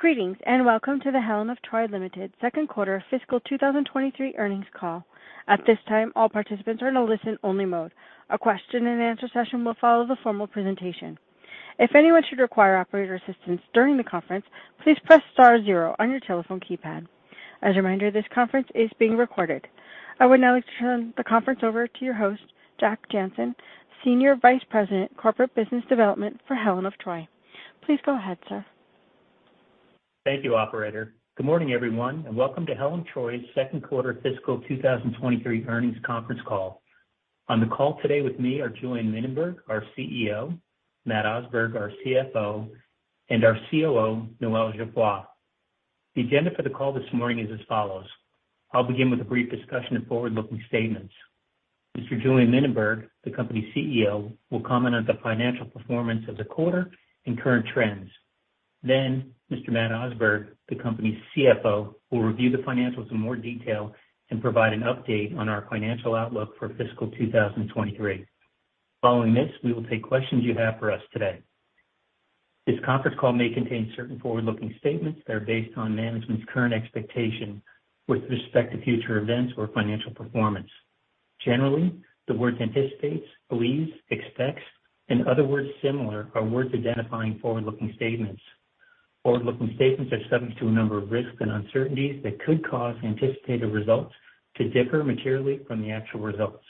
Greetings, and welcome to the Helen of Troy Limited second quarter fiscal 2023 earnings call. At this time, all participants are in a listen-only mode. A question and answer session will follow the formal presentation. If anyone should require operator assistance during the conference, please press star zero on your telephone keypad. As a reminder, this conference is being recorded. I would now like to turn the conference over to your host, Jack Jancin, Senior Vice President, Corporate Business Development for Helen of Troy. Please go ahead, sir. Thank you, operator. Good morning, everyone, and welcome to Helen of Troy's second quarter fiscal 2023 earnings conference call. On the call today with me are Julien Mininberg, our CEO, Matt Osberg, our CFO, and our COO, Noel Geoffroy. The agenda for the call this morning is as follows. I'll begin with a brief discussion of forward-looking statements. Mr. Julien Mininberg, the company's CEO, will comment on the financial performance of the quarter and current trends. Then Mr. Matt Osberg, the company's CFO, will review the financials in more detail and provide an update on our financial outlook for fiscal 2023. Following this, we will take questions you have for us today. This conference call may contain certain forward-looking statements that are based on management's current expectations with respect to future events or financial performance. Generally, the words anticipate, believe, expect, and other words similar are worth identifying forward-looking statements. Forward-looking statements are subject to a number of risks and uncertainties that could cause anticipated results to differ materially from the actual results.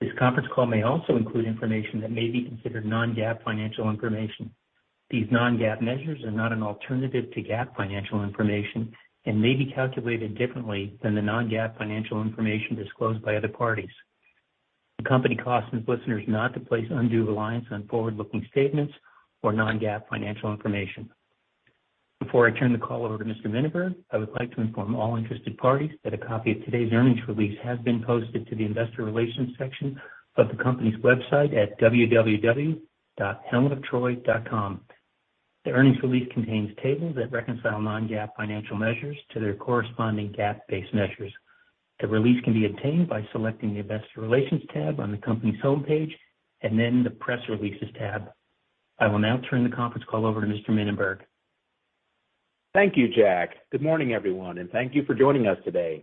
This conference call may also include information that may be considered non-GAAP financial information. These non-GAAP measures are not an alternative to GAAP financial information and may be calculated differently than the non-GAAP financial information disclosed by other parties. The company cautions listeners not to place undue reliance on forward-looking statements or non-GAAP financial information. Before I turn the call over to Mr. Mininberg, I would like to inform all interested parties that a copy of today's earnings release has been posted to the investor relations section of the company's website at www.helenoftroy.com. The earnings release contains tables that reconcile non-GAAP financial measures to their corresponding GAAP-based measures. The release can be obtained by selecting the Investor Relations tab on the company's homepage and then the Press Releases tab. I will now turn the conference call over to Mr. Mininberg. Thank you, Jack. Good morning, everyone, and thank you for joining us today.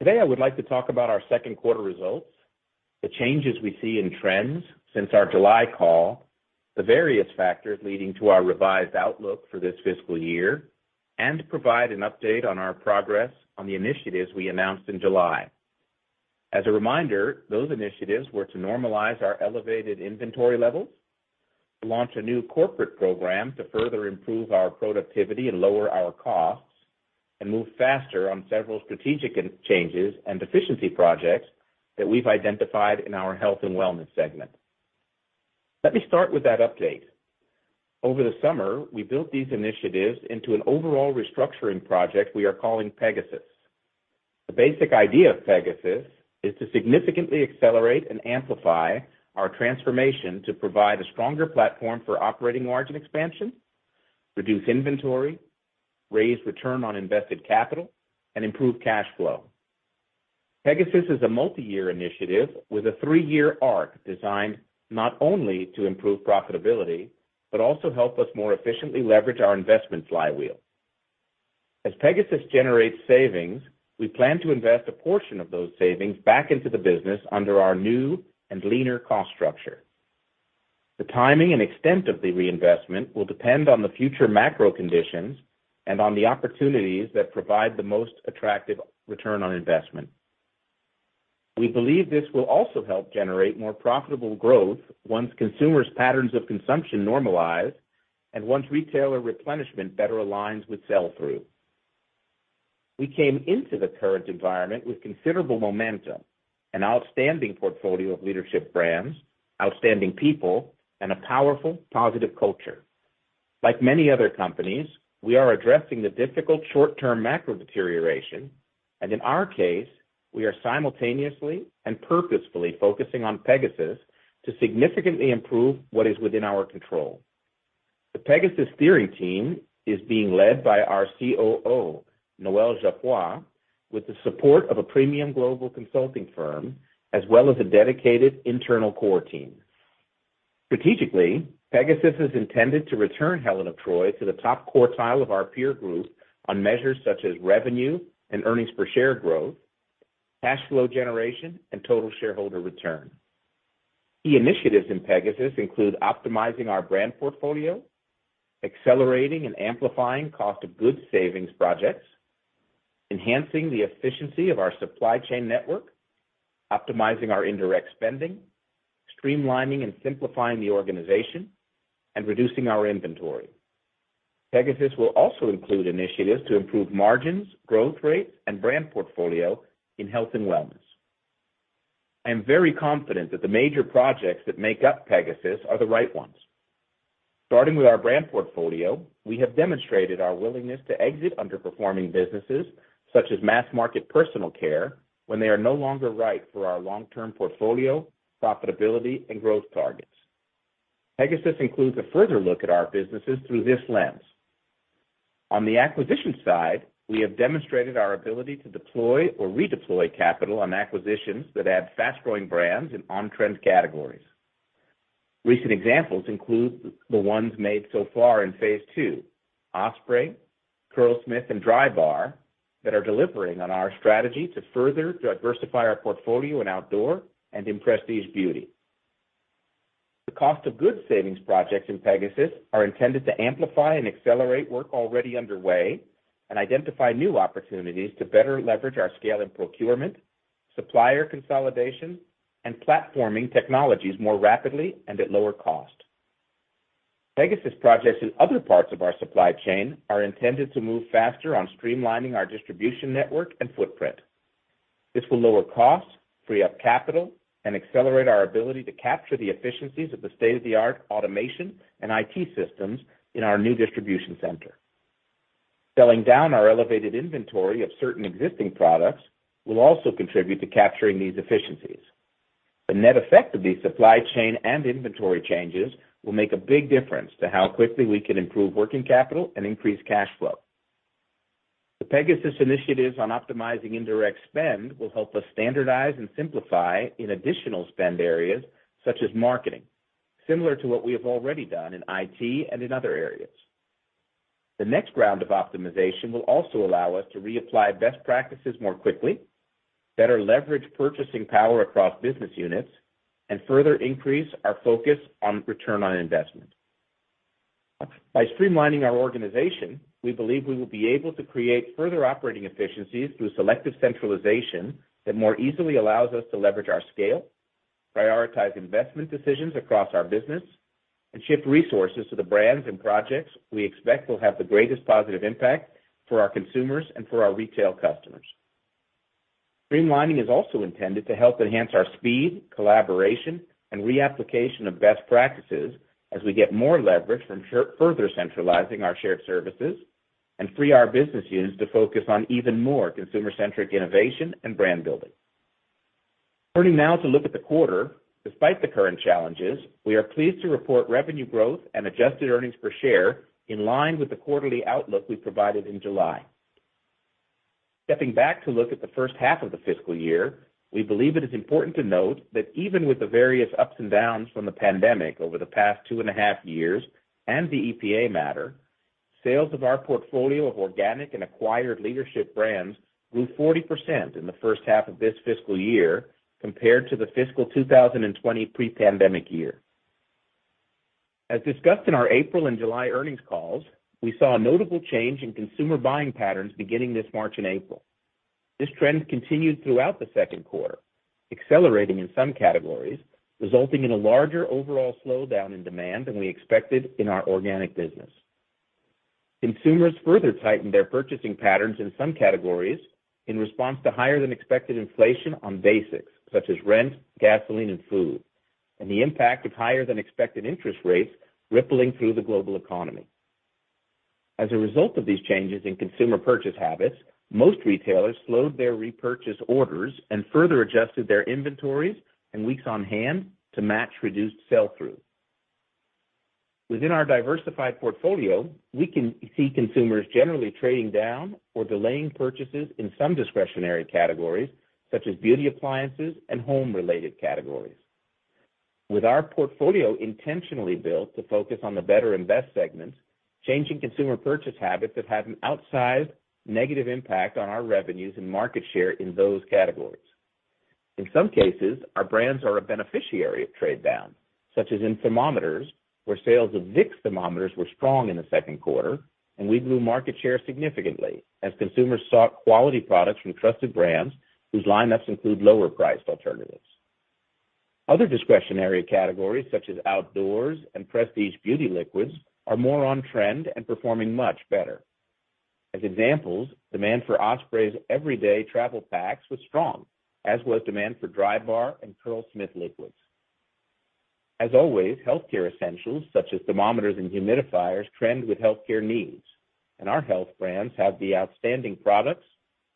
Today, I would like to talk about our second quarter results, the changes we see in trends since our July call, the various factors leading to our revised outlook for this fiscal year, and provide an update on our progress on the initiatives we announced in July. As a reminder, those initiatives were to normalize our elevated inventory levels, launch a new corporate program to further improve our productivity and lower our costs, and move faster on several strategic changes and efficiency projects that we've identified in our health and wellness segment. Let me start with that update. Over the summer, we built these initiatives into an overall restructuring project we are calling Pegasus. The basic idea of Pegasus is to significantly accelerate and amplify our transformation to provide a stronger platform for operating margin expansion, reduce inventory, raise return on invested capital, and improve cash flow. Pegasus is a multi-year initiative with a 3 year arc designed not only to improve profitability, but also help us more efficiently leverage our investment flywheel. As Pegasus generates savings, we plan to invest a portion of those savings back into the business under our new and leaner cost structure. The timing and extent of the reinvestment will depend on the future macro conditions and on the opportunities that provide the most attractive return on investment. We believe this will also help generate more profitable growth once consumers' patterns of consumption normalize and once retailer replenishment better aligns with sell-through. We came into the current environment with considerable momentum, an outstanding portfolio of leadership brands, outstanding people, and a powerful positive culture. Like many other companies, we are addressing the difficult short-term macro deterioration, and in our case, we are simultaneously and purposefully focusing on Pegasus to significantly improve what is within our control. The Pegasus steering team is being led by our COO, Noel Geoffroy, with the support of a premium global consulting firm, as well as a dedicated internal core team. Strategically, Pegasus is intended to return Helen of Troy to the top quartile of our peer group on measures such as revenue and earnings per share growth, cash flow generation, and total shareholder return. Key initiatives in Pegasus include optimizing our brand portfolio, accelerating and amplifying cost of goods savings projects, enhancing the efficiency of our supply chain network, optimizing our indirect spending, streamlining and simplifying the organization, and reducing our inventory. Pegasus will also include initiatives to improve margins, growth rates, and brand portfolio in health and wellness. I am very confident that the major projects that make up Pegasus are the right ones. Starting with our brand portfolio, we have demonstrated our willingness to exit underperforming businesses such as mass-market personal care when they are no longer right for our long-term portfolio, profitability, and growth targets. Pegasus includes a further look at our businesses through this lens. On the acquisition side, we have demonstrated our ability to deploy or redeploy capital on acquisitions that add fast-growing brands in on-trend categories. Recent examples include the ones made so far in phase II, Osprey, Curlsmith, and Drybar, that are delivering on our strategy to further diversify our portfolio in outdoor and in prestige beauty. The cost of goods savings projects in Pegasus are intended to amplify and accelerate work already underway and identify new opportunities to better leverage our scale in procurement, supplier consolidation, and platforming technologies more rapidly and at lower cost. Pegasus projects in other parts of our supply chain are intended to move faster on streamlining our distribution network and footprint. This will lower costs, free up capital, and accelerate our ability to capture the efficiencies of the state-of-the-art automation and IT systems in our new distribution center. Selling down our elevated inventory of certain existing products will also contribute to capturing these efficiencies. The net effect of these supply chain and inventory changes will make a big difference to how quickly we can improve working capital and increase cash flow. The Pegasus initiatives on optimizing indirect spend will help us standardize and simplify in additional spend areas such as marketing, similar to what we have already done in IT and in other areas. The next round of optimization will also allow us to reapply best practices more quickly, better leverage purchasing power across business units, and further increase our focus on return on investment. By streamlining our organization, we believe we will be able to create further operating efficiencies through selective centralization that more easily allows us to leverage our scale, prioritize investment decisions across our business, and shift resources to the brands and projects we expect will have the greatest positive impact for our consumers and for our retail customers. Streamlining is also intended to help enhance our speed, collaboration, and reapplication of best practices as we get more leverage from further centralizing our shared services and free our business units to focus on even more consumer-centric innovation and brand building. Turning now to look at the quarter, despite the current challenges, we are pleased to report revenue growth and adjusted earnings per share in line with the quarterly outlook we provided in July. Stepping back to look at the first half of the fiscal year, we believe it is important to note that even with the various ups and downs from the pandemic over the past 2.5 years and the EPA matter, sales of our portfolio of organic and acquired leadership brands grew 40% in the first half of this fiscal year compared to the fiscal 2020 pre-pandemic year. As discussed in our April and July earnings calls, we saw a notable change in consumer buying patterns beginning this March and April. This trend continued throughout the second quarter, accelerating in some categories, resulting in a larger overall slowdown in demand than we expected in our organic business. Consumers further tightened their purchasing patterns in some categories in response to higher than expected inflation on basics such as rent, gasoline, and food, and the impact of higher than expected interest rates rippling through the global economy. As a result of these changes in consumer purchase habits, most retailers slowed their repurchase orders and further adjusted their inventories and weeks on hand to match reduced sell-through. Within our diversified portfolio, we can see consumers generally trading down or delaying purchases in some discretionary categories such as beauty appliances and home-related categories. With our portfolio intentionally built to focus on the better and best segments, changing consumer purchase habits have had an outsized negative impact on our revenues and market share in those categories. In some cases, our brands are a beneficiary of trade down, such as in thermometers, where sales of Vicks thermometers were strong in the second quarter, and we grew market share significantly as consumers sought quality products from trusted brands whose lineups include lower-priced alternatives. Other discretionary categories such as outdoors and prestige beauty liquids are more on trend and performing much better. As examples, demand for Osprey's everyday travel packs was strong, as was demand for Drybar and Curlsmith liquids. As always, healthcare essentials such as thermometers and humidifiers trend with healthcare needs, and our health brands have the outstanding products,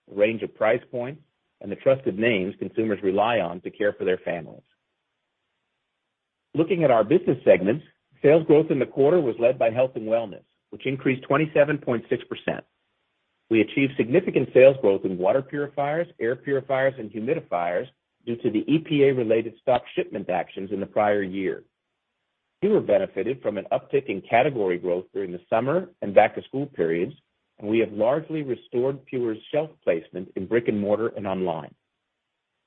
range of price points, and the trusted names consumers rely on to care for their families. Looking at our business segments, sales growth in the quarter was led by health and wellness, which increased 27.6%. We achieved significant sales growth in water purifiers, air purifiers, and humidifiers due to the EPA-related stock shipment actions in the prior year. PUR benefited from an uptick in category growth during the summer and back-to-school periods, and we have largely restored PUR's shelf placement in brick-and-mortar and online.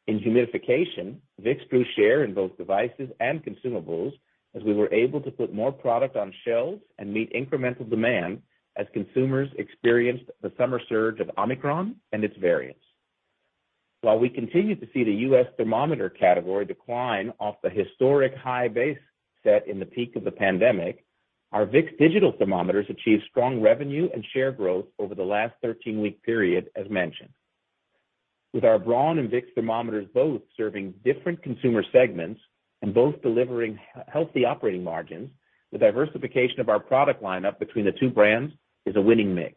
In humidification, Vicks grew share in both devices and consumables as we were able to put more product on shelves and meet incremental demand as consumers experienced the summer surge of Omicron and its variants. While we continue to see the U.S. thermometer category decline off the historic high base set in the peak of the pandemic, our Vicks digital thermometers achieved strong revenue and share growth over the last 13-week period, as mentioned. With our Braun and Vicks thermometers both serving different consumer segments and both delivering healthy operating margins, the diversification of our product lineup between the 2 brands is a winning mix.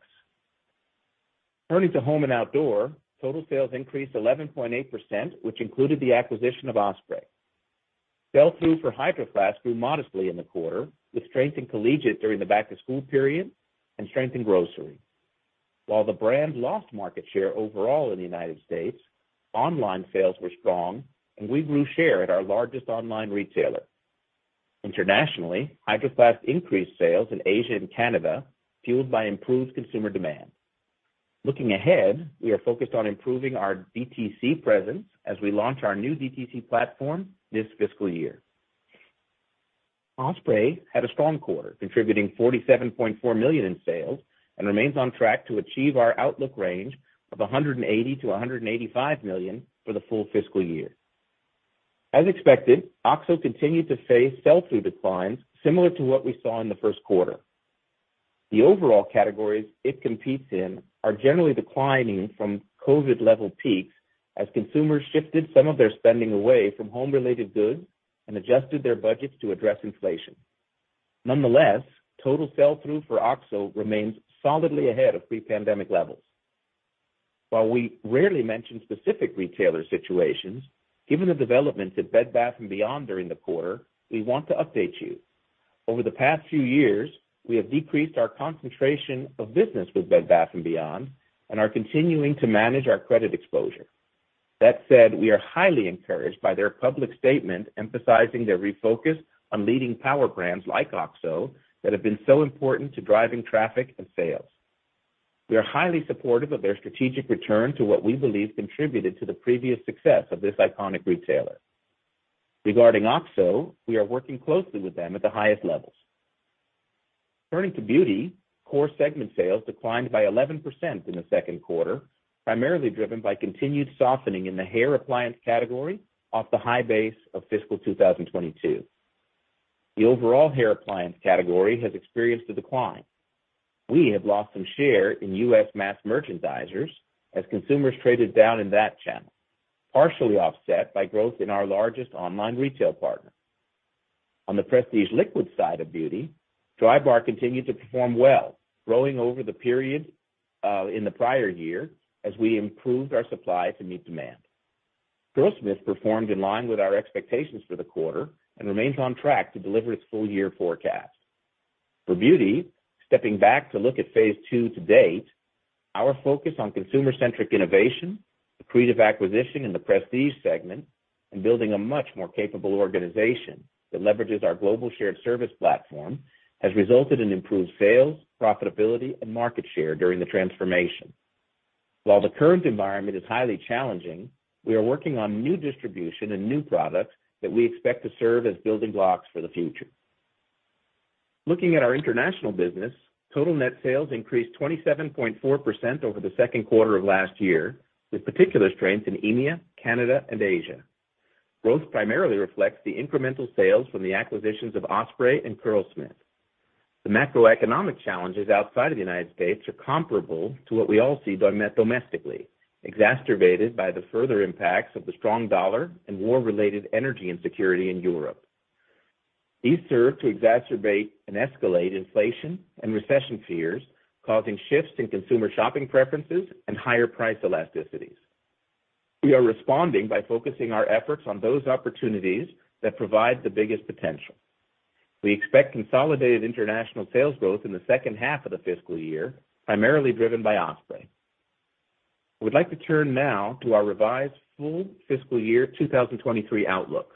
Turning to home and outdoor, total sales increased 11.8%, which included the acquisition of Osprey. Sell-through for Hydro Flask grew modestly in the quarter, with strength in collegiate during the back-to-school period and strength in grocery. While the brand lost market share overall in the United States, online sales were strong and we grew share at our largest online retailer. Internationally, Hydro Flask increased sales in Asia and Canada, fueled by improved consumer demand. Looking ahead, we are focused on improving our DTC presence as we launch our new DTC platform this fiscal year. Osprey had a strong quarter, contributing $47.4 million in sales, and remains on track to achieve our outlook range of $180-$185 million for the full fiscal year. As expected, OXO continued to face sell-through declines similar to what we saw in the first quarter. The overall categories it competes in are generally declining from COVID level peaks as consumers shifted some of their spending away from home-related goods and adjusted their budgets to address inflation. Nonetheless, total sell-through for OXO remains solidly ahead of pre-pandemic levels. While we rarely mention specific retailer situations, given the developments at Bed Bath & Beyond during the quarter, we want to update you. Over the past few years, we have decreased our concentration of business with Bed Bath & Beyond and are continuing to manage our credit exposure. That said, we are highly encouraged by their public statement emphasizing their refocus on leading power brands like OXO that have been so important to driving traffic and sales. We are highly supportive of their strategic return to what we believe contributed to the previous success of this iconic retailer. Regarding OXO, we are working closely with them at the highest levels. Turning to beauty, core segment sales declined by 11% in the second quarter, primarily driven by continued softening in the hair appliance category off the high base of fiscal 2022. The overall hair appliance category has experienced a decline. We have lost some share in U.S. mass merchandisers as consumers traded down in that channel, partially offset by growth in our largest online retail partner. On the prestige liquid side of beauty, Drybar continued to perform well, growing over the period, in the prior year as we improved our supply to meet demand. Curlsmith performed in line with our expectations for the quarter and remains on track to deliver its full year forecast. For beauty, stepping back to look at phase II to date, our focus on consumer-centric innovation, accretive acquisition in the prestige segment, and building a much more capable organization that leverages our global shared service platform has resulted in improved sales, profitability, and market share during the transformation. While the current environment is highly challenging, we are working on new distribution and new products that we expect to serve as building blocks for the future. Looking at our international business, total net sales increased 27.4% over the second quarter of last year, with particular strength in EMEA, Canada, and Asia. Growth primarily reflects the incremental sales from the acquisitions of Osprey and Curlsmith. The macroeconomic challenges outside of the United States are comparable to what we all see domestically, exacerbated by the further impacts of the strong dollar and war-related energy insecurity in Europe. These serve to exacerbate and escalate inflation and recession fears, causing shifts in consumer shopping preferences and higher price elasticities. We are responding by focusing our efforts on those opportunities that provide the biggest potential. We expect consolidated international sales growth in the second half of the fiscal year, primarily driven by Osprey. I would like to turn now to our revised full fiscal year 2023 outlook.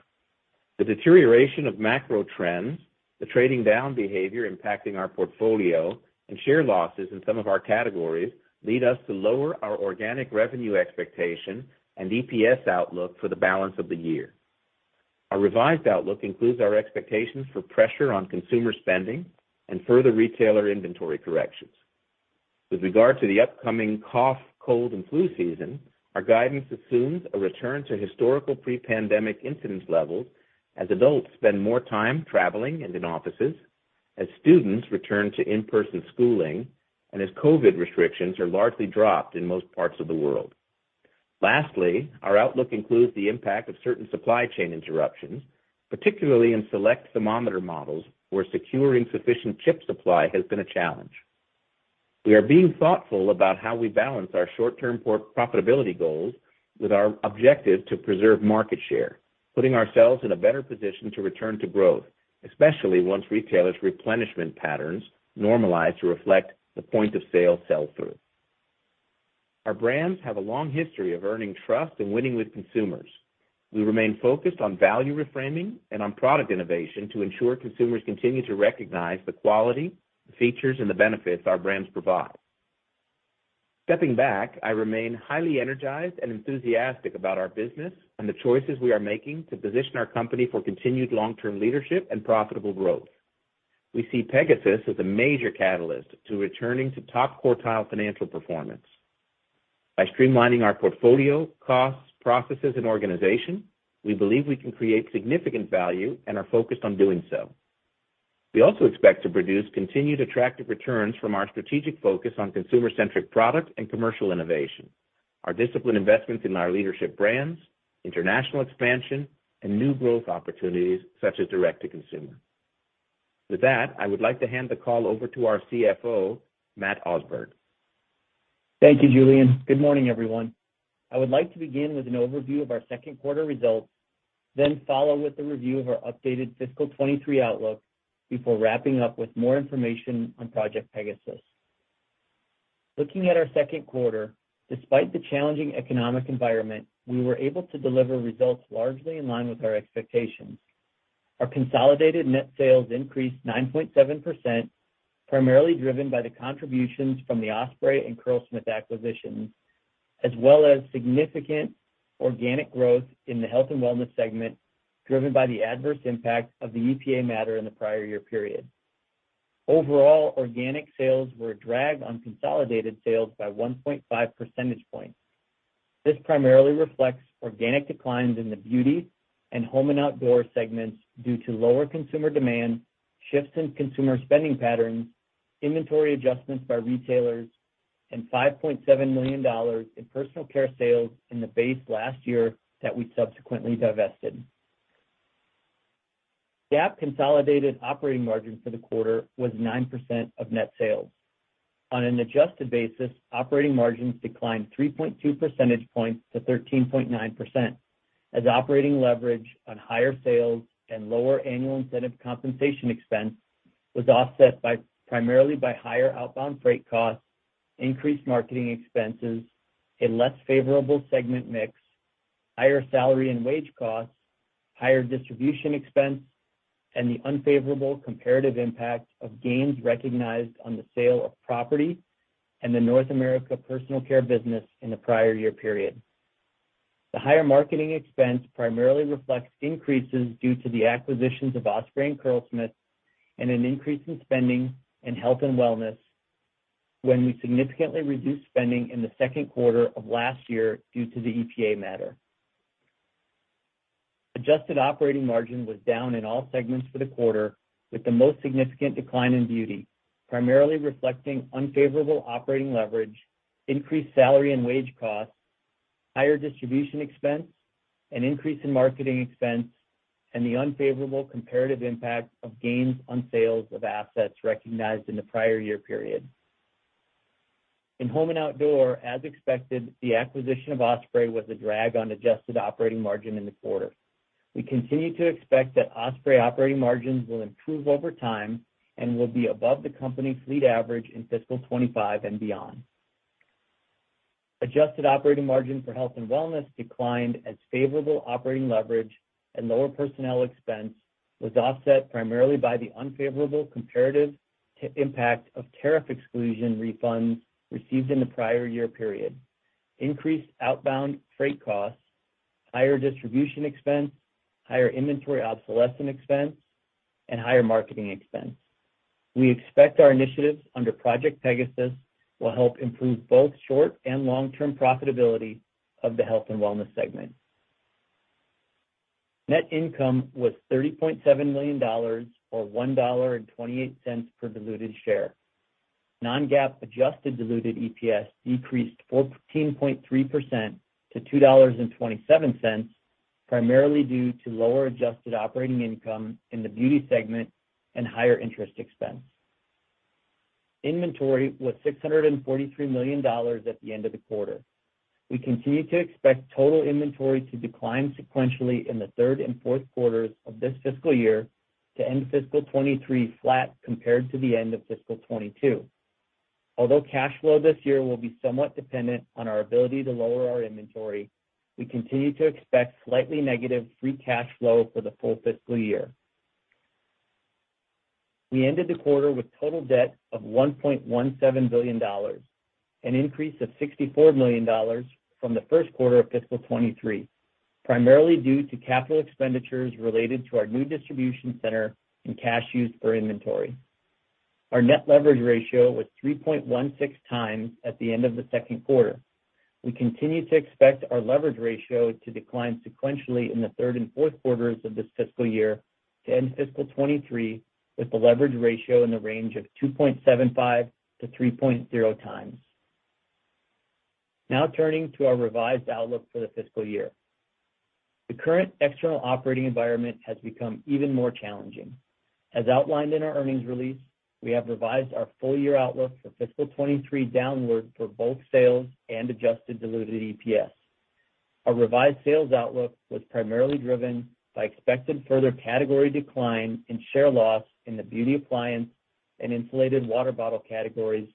The deterioration of macro trends, the trading down behavior impacting our portfolio, and share losses in some of our categories lead us to lower our organic revenue expectation and EPS outlook for the balance of the year. Our revised outlook includes our expectations for pressure on consumer spending and further retailer inventory corrections. With regard to the upcoming cough, cold, and flu season, our guidance assumes a return to historical pre-pandemic incidence levels as adults spend more time traveling and in offices, as students return to in-person schooling, and as COVID restrictions are largely dropped in most parts of the world. Lastly, our outlook includes the impact of certain supply chain interruptions, particularly in select thermometer models, where securing sufficient chip supply has been a challenge. We are being thoughtful about how we balance our short-term poor profitability goals with our objective to preserve market share, putting ourselves in a better position to return to growth, especially once retailers' replenishment patterns normalize to reflect the point of sale sell-through. Our brands have a long history of earning trust and winning with consumers. We remain focused on value reframing and on product innovation to ensure consumers continue to recognize the quality, the features, and the benefits our brands provide. Stepping back, I remain highly energized and enthusiastic about our business and the choices we are making to position our company for continued long-term leadership and profitable growth. We see Pegasus as a major catalyst to returning to top quartile financial performance. By streamlining our portfolio, costs, processes, and organization, we believe we can create significant value and are focused on doing so. We also expect to produce continued attractive returns from our strategic focus on consumer-centric products and commercial innovation, our disciplined investments in our leadership brands, international expansion, and new growth opportunities such as direct-to-consumer. With that, I would like to hand the call over to our CFO, Matt Osberg. Thank you, Julien. Good morning, everyone. I would like to begin with an overview of our second quarter results, then follow with a review of our updated fiscal 2023 outlook before wrapping up with more information on Project Pegasus. Looking at our second quarter, despite the challenging economic environment, we were able to deliver results largely in line with our expectations. Our consolidated net sales increased 9.7%, primarily driven by the contributions from the Osprey and Curlsmith acquisitions, as well as significant organic growth in the health and wellness segment, driven by the adverse impact of the EPA matter in the prior year period. Overall, organic sales were a drag on consolidated sales by 1.5 percentage points. This primarily reflects organic declines in the beauty and home and outdoor segments due to lower consumer demand, shifts in consumer spending patterns, inventory adjustments by retailers, and $5.7 million in personal care sales in the base last year that we subsequently divested. GAAP consolidated operating margin for the quarter was 9% of net sales. On an adjusted basis, operating margins declined 3.2 percentage points to 13.9% as operating leverage on higher sales and lower annual incentive compensation expense was offset by, primarily by higher outbound freight costs, increased marketing expenses, a less favorable segment mix, higher salary and wage costs, higher distribution expense, and the unfavorable comparative impact of gains recognized on the sale of property and the North America personal care business in the prior year period. The higher marketing expense primarily reflects increases due to the acquisitions of Osprey and Curlsmith and an increase in spending in health and wellness when we significantly reduced spending in the second quarter of last year due to the EPA matter. Adjusted operating margin was down in all segments for the quarter, with the most significant decline in beauty, primarily reflecting unfavorable operating leverage, increased salary and wage costs, higher distribution expense, an increase in marketing expense, and the unfavorable comparative impact of gains on sales of assets recognized in the prior year period. In home and outdoor, as expected, the acquisition of Osprey was a drag on adjusted operating margin in the quarter. We continue to expect that Osprey operating margins will improve over time and will be above the company fleet average in fiscal 2025 and beyond. Adjusted operating margin for health and wellness declined as favorable operating leverage and lower personnel expense was offset primarily by the unfavorable comparative impact of tariff exclusion refunds received in the prior year period, increased outbound freight costs, higher distribution expense, higher inventory obsolescence expense, and higher marketing expense. We expect our initiatives under Project Pegasus will help improve both short- and long-term profitability of the health and wellness segment. Net income was $30.7 million, or $1.28 per diluted share. Non-GAAP adjusted diluted EPS decreased 14.3% to $2.27, primarily due to lower adjusted operating income in the beauty segment and higher interest expense. Inventory was $643 million at the end of the quarter. We continue to expect total inventory to decline sequentially in the third and fourth quarters of this fiscal year to end fiscal 2023 flat compared to the end of fiscal 2022. Although cash flow this year will be somewhat dependent on our ability to lower our inventory, we continue to expect slightly negative free cash flow for the full fiscal year. We ended the quarter with total debt of $1.17 billion, an increase of $64 million from the first quarter of fiscal 2023, primarily due to capital expenditures related to our new distribution center and cash used for inventory. Our net leverage ratio was 3.16 times at the end of the second quarter. We continue to expect our leverage ratio to decline sequentially in the third and fourth quarters of this fiscal year to end fiscal 2023 with a leverage ratio in the range of 2.75-3.0 times. Now turning to our revised outlook for the fiscal year. The current external operating environment has become even more challenging. As outlined in our earnings release, we have revised our full year outlook for fiscal 2023 downward for both sales and adjusted diluted EPS. Our revised sales outlook was primarily driven by expected further category decline and share loss in the beauty appliance and insulated water bottle categories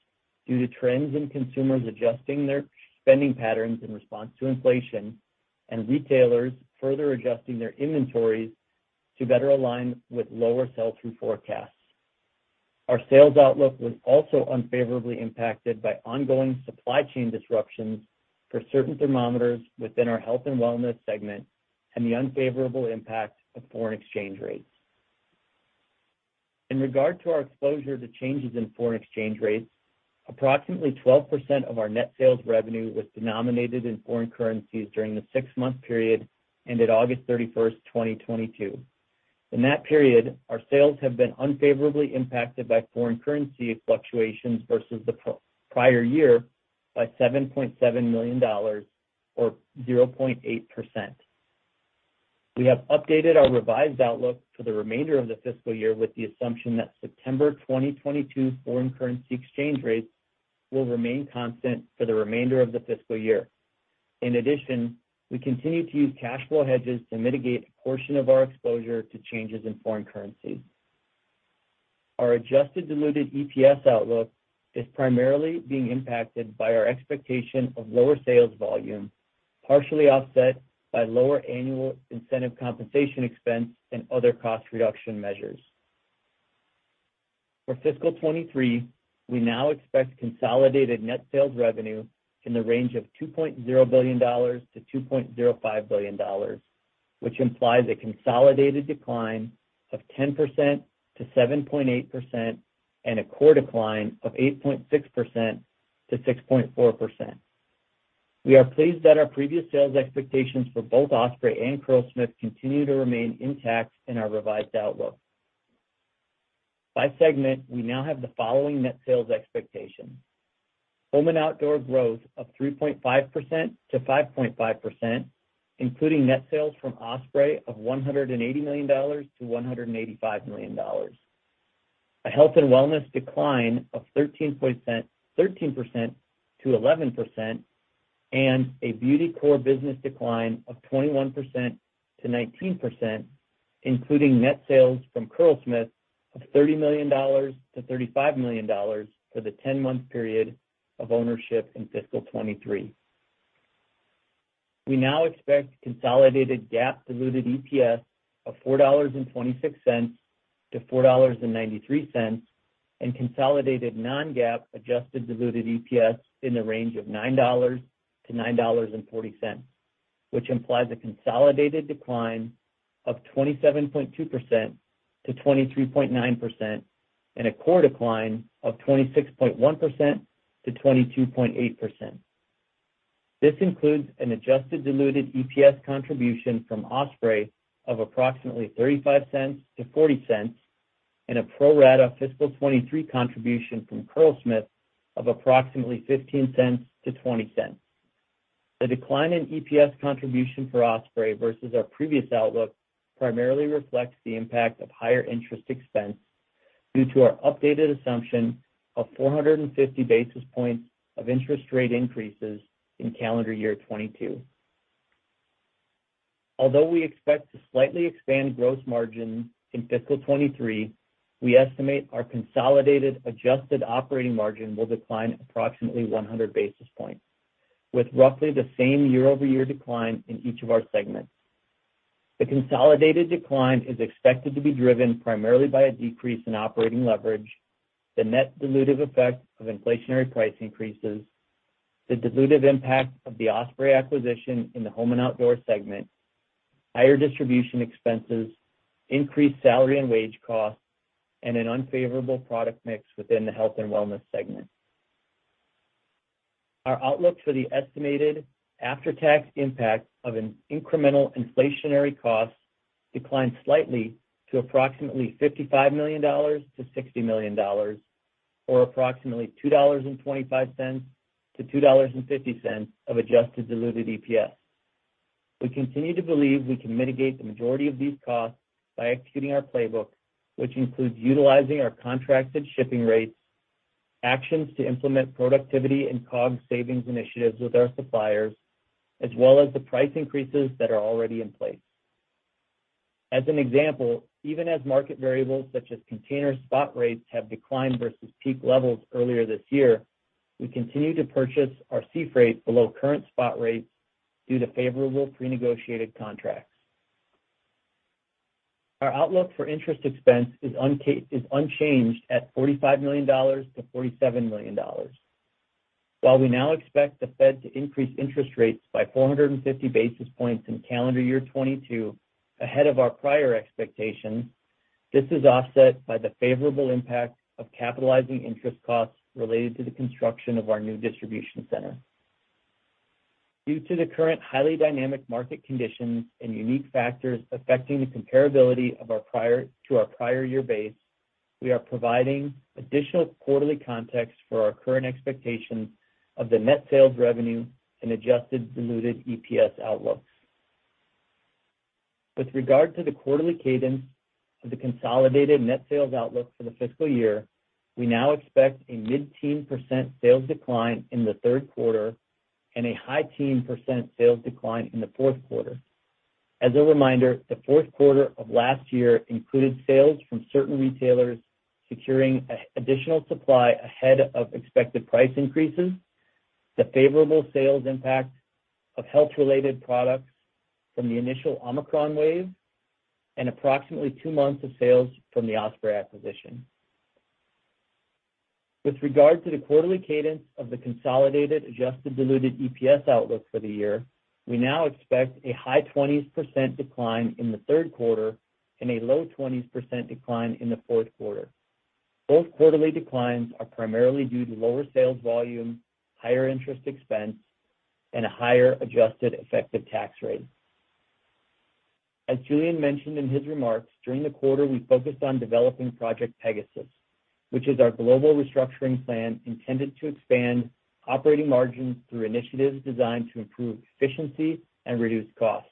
due to trends in consumers adjusting their spending patterns in response to inflation and retailers further adjusting their inventories to better align with lower sell-through forecasts. Our sales outlook was also unfavorably impacted by ongoing supply chain disruptions for certain thermometers within our health and wellness segment and the unfavorable impact of foreign exchange rates. In regard to our exposure to changes in foreign exchange rates, approximately 12% of our net sales revenue was denominated in foreign currencies during the 6 month period ended August 31, 2022. In that period, our sales have been unfavorably impacted by foreign currency fluctuations versus the prior year by $7.7 million or 0.8%. We have updated our revised outlook for the remainder of the fiscal year with the assumption that September 2022 foreign currency exchange rates will remain constant for the remainder of the fiscal year. In addition, we continue to use cash flow hedges to mitigate a portion of our exposure to changes in foreign currency. Our adjusted diluted EPS outlook is primarily being impacted by our expectation of lower sales volume, partially offset by lower annual incentive compensation expense and other cost reduction measures. For fiscal 2023, we now expect consolidated net sales revenue in the range of $2.0 billion-$2.05 billion, which implies a consolidated decline of 10%-7.8% and a core decline of 8.6%-6.4%. We are pleased that our previous sales expectations for both Osprey and Curlsmith continue to remain intact in our revised outlook. By segment, we now have the following net sales expectations. Home and Outdoor growth of 3.5%-5.5%, including net sales from Osprey of $180 million-$185 million. Our Health and Wellness decline of 13%-11%, and a Beauty core business decline of 21%-19%, including net sales from Curlsmith of $30 million-$35 million for the 10-month period of ownership in fiscal 2023. We now expect consolidated GAAP diluted EPS of $4.26-$4.93, and consolidated non-GAAP adjusted diluted EPS in the range of $9-$9.40, which implies a consolidated decline of 27.2%-23.9% and a core decline of 26.1%-22.8%. This includes an adjusted diluted EPS contribution from Osprey of approximately $0.35-$0.40 and a pro-rata fiscal 2023 contribution from Curlsmith of approximately $0.15-$0.20. The decline in EPS contribution for Osprey versus our previous outlook primarily reflects the impact of higher interest expense due to our updated assumption of 450 basis points of interest rate increases in calendar year 2022. Although we expect to slightly expand gross margin in fiscal 2023, we estimate our consolidated adjusted operating margin will decline approximately 100 basis points, with roughly the same year-over-year decline in each of our segments. The consolidated decline is expected to be driven primarily by a decrease in operating leverage, the net dilutive effect of inflationary price increases, the dilutive impact of the Osprey acquisition in the Home and Outdoor segment, higher distribution expenses, increased salary and wage costs, and an unfavorable product mix within the Health and Wellness segment. Our outlook for the estimated after-tax impact of an incremental inflationary cost declined slightly to approximately $55 million-$60 million, or approximately $2.25-$2.50 of adjusted diluted EPS. We continue to believe we can mitigate the majority of these costs by executing our playbook, which includes utilizing our contracted shipping rates, actions to implement productivity and COGS savings initiatives with our suppliers, as well as the price increases that are already in place. As an example, even as market variables such as container spot rates have declined versus peak levels earlier this year, we continue to purchase our sea freight below current spot rates due to favorable prenegotiated contracts. Our outlook for interest expense is unchanged at $45 million-$47 million. While we now expect the Fed to increase interest rates by 450 basis points in calendar year 2022 ahead of our prior expectations, this is offset by the favorable impact of capitalizing interest costs related to the construction of our new distribution center. Due to the current highly dynamic market conditions and unique factors affecting the comparability of our prior year base, we are providing additional quarterly context for our current expectations of the net sales revenue and adjusted diluted EPS outlooks. With regard to the quarterly cadence of the consolidated net sales outlook for the fiscal year, we now expect a mid-teen % sales decline in the third quarter and a high-teen % sales decline in the fourth quarter. As a reminder, the fourth quarter of last year included sales from certain retailers securing additional supply ahead of expected price increases, the favorable sales impact of health-related products from the initial Omicron wave, and approximately 2 months of sales from the Osprey acquisition. With regard to the quarterly cadence of the consolidated adjusted diluted EPS outlook for the year, we now expect a high 20s% decline in the third quarter and a low 20s% decline in the fourth quarter. Both quarterly declines are primarily due to lower sales volume, higher interest expense, and a higher adjusted effective tax rate. As Julien mentioned in his remarks, during the quarter, we focused on developing Project Pegasus, which is our global restructuring plan intended to expand operating margins through initiatives designed to improve efficiency and reduce costs.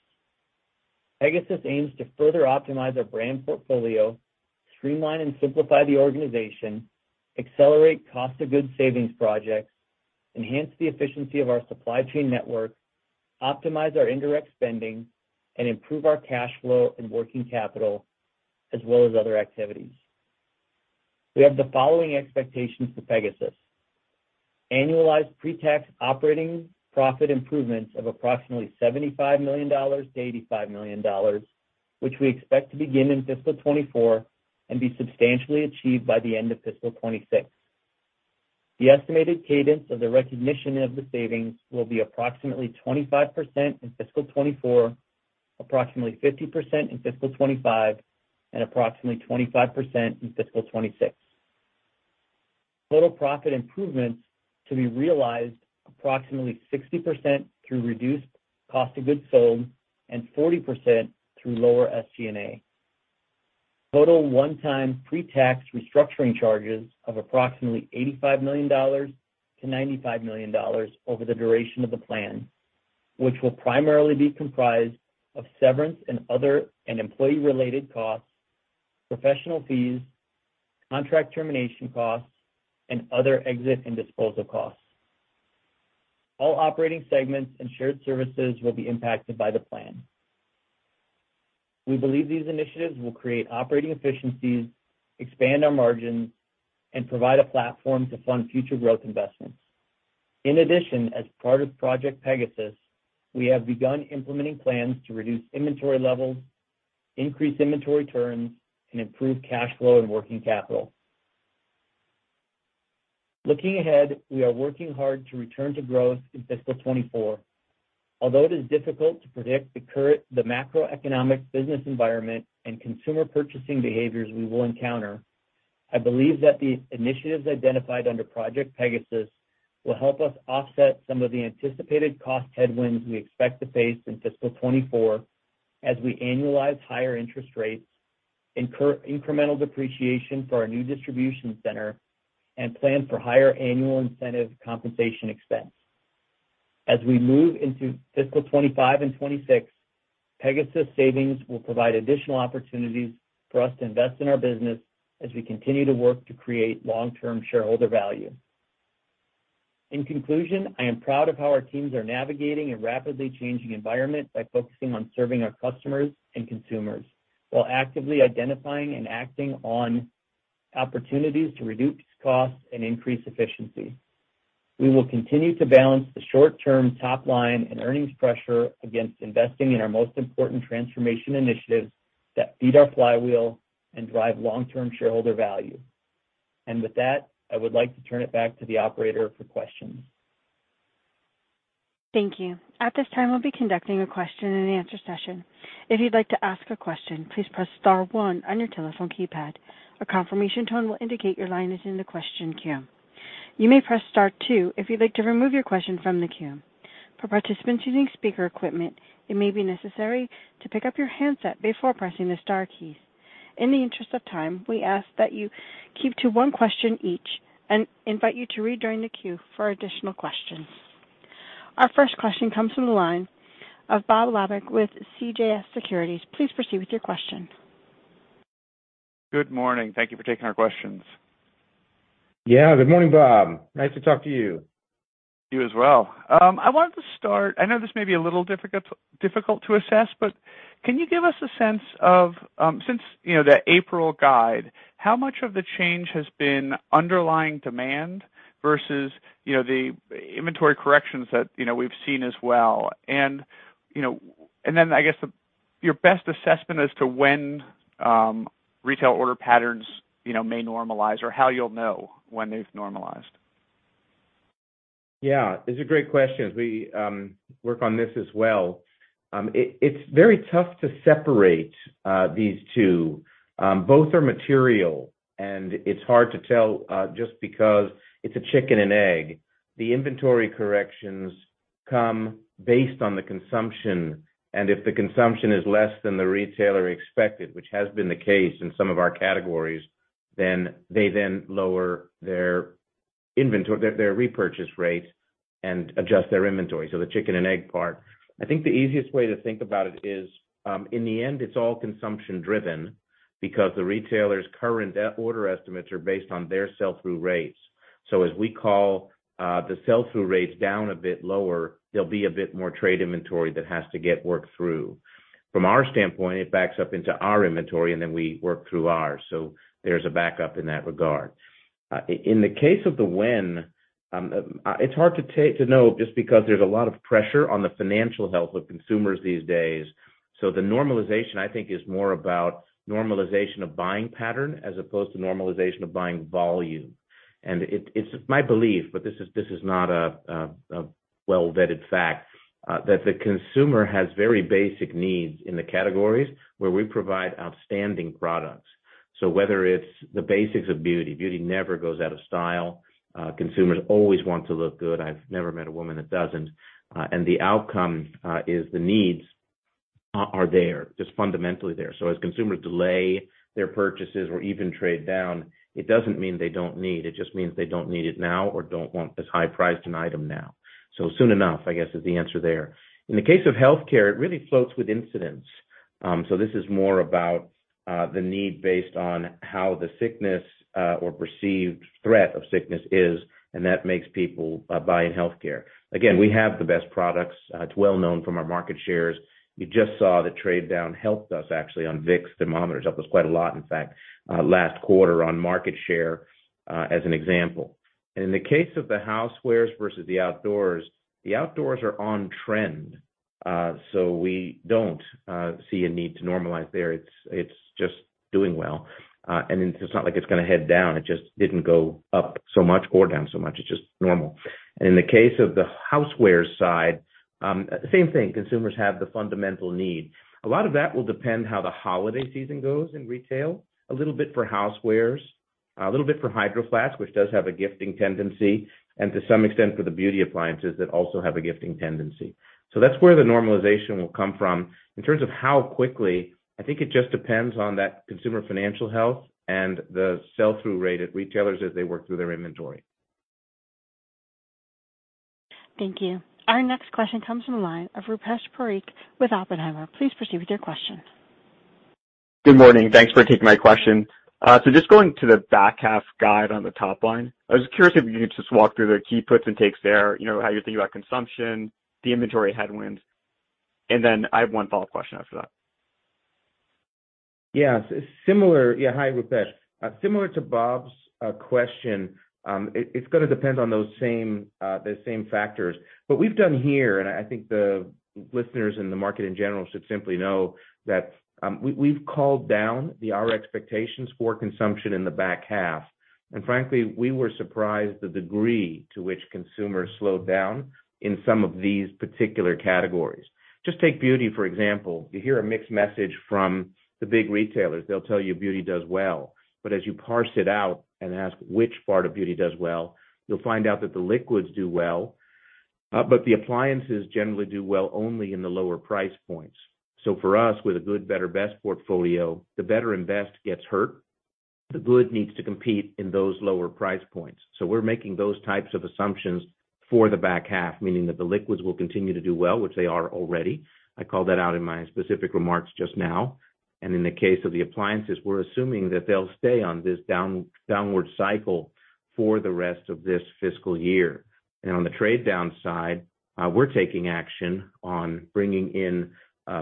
Pegasus aims to further optimize our brand portfolio, streamline and simplify the organization, accelerate cost of goods savings projects, enhance the efficiency of our supply chain network, optimize our indirect spending, and improve our cash flow and working capital, as well as other activities. We have the following expectations for Pegasus. Annualized pre-tax operating profit improvements of approximately $75 million-$85 million, which we expect to begin in fiscal 2024 and be substantially achieved by the end of fiscal 2026. The estimated cadence of the recognition of the savings will be approximately 25% in fiscal 2024, approximately 50% in fiscal 2025, and approximately 25% in fiscal 2026. Total profit improvements to be realized approximately 60% through reduced cost of goods sold and 40% through lower SG&A. Total one-time pre-tax restructuring charges of approximately $85 million-$95 million over the duration of the plan, which will primarily be comprised of severance and other employee-related costs, professional fees, contract termination costs, and other exit and disposal costs. All operating segments and shared services will be impacted by the plan. We believe these initiatives will create operating efficiencies, expand our margins, and provide a platform to fund future growth investments. In addition, as part of Project Pegasus, we have begun implementing plans to reduce inventory levels, increase inventory turns, and improve cash flow and working capital. Looking ahead, we are working hard to return to growth in fiscal 2024. Although it is difficult to predict the macroeconomic business environment and consumer purchasing behaviors we will encounter, I believe that the initiatives identified under Project Pegasus will help us offset some of the anticipated cost headwinds we expect to face in fiscal 2024 as we annualize higher interest rates, incur incremental depreciation for our new distribution center, and plan for higher annual incentive compensation expense. As we move into fiscal 2025 and 2026, Pegasus savings will provide additional opportunities for us to invest in our business as we continue to work to create long-term shareholder value. In conclusion, I am proud of how our teams are navigating a rapidly changing environment by focusing on serving our customers and consumers while actively identifying and acting on opportunities to reduce costs and increase efficiency. We will continue to balance the short-term top line and earnings pressure against investing in our most important transformation initiatives that feed our flywheel and drive long-term shareholder value. With that, I would like to turn it back to the operator for questions. Thank you. At this time, we'll be conducting a question and answer session. If you'd like to ask a question, please press star one on your telephone keypad. A confirmation tone will indicate your line is in the question queue. You may press star two if you'd like to remove your question from the queue. For participants using speaker equipment, it may be necessary to pick up your handset before pressing the star keys. In the interest of time, we ask that you keep to one question each and invite you to rejoin the queue for additional questions. Our first question comes from the line of Bob Labick with CJS Securities. Please proceed with your question. Good morning. Thank you for taking our questions. Yeah, good morning, Bob. Nice to talk to you. You as well. I wanted to start. I know this may be a little difficult to assess, but can you give us a sense of, since, you know, the April guide, how much of the change has been underlying demand versus, you know, the inventory corrections that, you know, we've seen as well? You know, then, I guess, your best assessment as to when, retail order patterns, you know, may normalize or how you'll know when they've normalized. Yeah, it's a great question, as we work on this as well. It's very tough to separate these 2. Both are material, and it's hard to tell just because it's a chicken and egg. The inventory corrections come based on the consumption, and if the consumption is less than the retailer expected, which has been the case in some of our categories, then they lower their inventory, their repurchase rate and adjust their inventory. The chicken and egg part. I think the easiest way to think about it is, in the end, it's all consumption driven because the retailer's current order estimates are based on their sell-through rates. As we call the sell-through rates down a bit lower, there'll be a bit more trade inventory that has to get worked through. From our standpoint, it backs up into our inventory, and then we work through ours. There's a backup in that regard. In the case of when it's hard to know just because there's a lot of pressure on the financial health of consumers these days. The normalization, I think, is more about normalization of buying pattern as opposed to normalization of buying volume. It's my belief, but this is not a well-vetted fact that the consumer has very basic needs in the categories where we provide outstanding products. Whether it's the basics of beauty never goes out of style. Consumers always want to look good. I've never met a woman that doesn't. The outcome is the needs. They're just fundamentally there. As consumers delay their purchases or even trade down, it doesn't mean they don't need. It just means they don't need it now or don't want as high-priced an item now. Soon enough, I guess, is the answer there. In the case of healthcare, it really fluctuates with incidence. This is more about the need based on how the sickness or perceived threat of sickness is, and that makes people buy in healthcare. Again, we have the best products. It's well known from our market shares. You just saw the trade down helped us actually on Vicks thermometers, helped us quite a lot, in fact, last quarter on market share, as an example. In the case of the housewares versus the outdoors, the outdoors are on trend. We don't see a need to normalize there. It's just doing well. It's not like it's gonna head down. It just didn't go up so much or down so much. It's just normal. In the case of the housewares side, same thing. Consumers have the fundamental need. A lot of that will depend on how the holiday season goes in retail, a little bit for housewares, a little bit for Hydro Flask, which does have a gifting tendency, and to some extent for the beauty appliances that also have a gifting tendency. That's where the normalization will come from. In terms of how quickly, I think it just depends on that consumer financial health and the sell-through rate at retailers as they work through their inventory. Thank you. Our next question comes from the line of Rupesh Parikh with Oppenheimer. Please proceed with your question. Good morning. Thanks for taking my question. So just going to the back half guide on the top line, I was curious if you could just walk through the key puts and takes there, you know, how you're thinking about consumption, the inventory headwinds. I have 1 follow-up question after that. Yes. Similar. Yeah, hi, Rupesh. Similar to Bob's question, it's gonna depend on those same, the same factors. What we've done here, and I think the listeners in the market in general should simply know that, we've called down our expectations for consumption in the back half. Frankly, we were surprised the degree to which consumers slowed down in some of these particular categories. Just take beauty, for example. You hear a mixed message from the big retailers. They'll tell you beauty does well. As you parse it out and ask which part of beauty does well, you'll find out that the liquids do well, but the appliances generally do well only in the lower price points. For us, with a good, better, best portfolio, the better and best gets hurt. The good needs to compete in those lower price points. We're making those types of assumptions for the back half, meaning that the liquids will continue to do well, which they are already. I called that out in my specific remarks just now. In the case of the appliances, we're assuming that they'll stay on this downward cycle for the rest of this fiscal year. On the trade down side, we're taking action on bringing in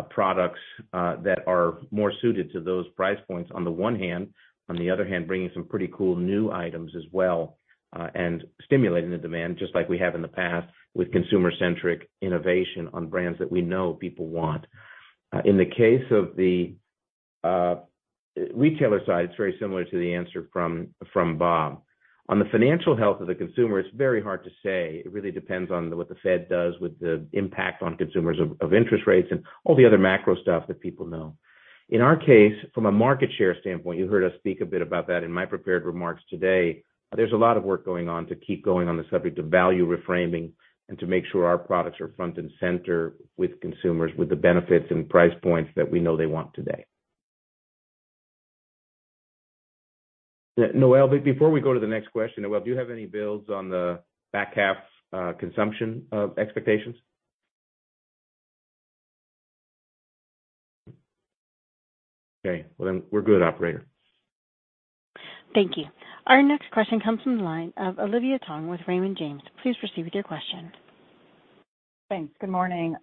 products that are more suited to those price points on the 1 hand. On the other hand, bringing some pretty cool new items as well, and stimulating the demand, just like we have in the past with consumer-centric innovation on brands that we know people want. In the case of the retailer side, it's very similar to the answer from Bob. On the financial health of the consumer, it's very hard to say. It really depends on what the Fed does with the impact on consumers of interest rates and all the other macro stuff that people know. In our case, from a market share standpoint, you heard us speak a bit about that in my prepared remarks today. There's a lot of work going on to keep going on the subject of value reframing and to make sure our products are front and center with consumers with the benefits and price points that we know they want today. Noel, before we go to the next question, Noel, do you have any builds on the back half, consumption, expectations? Okay. Well, then we're good, operator. Thank you. Our next question comes from the line of Olivia Tong with Raymond James. Please proceed with your question. Thanks. Good morning.